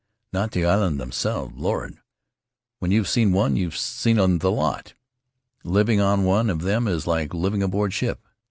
Not the islands themselves? Lord! W T hen you've seen one you've seen the lot. Living on one of them is like living aboard ship.